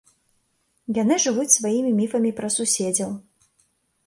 Яны жывуць сваімі міфамі пра суседзяў.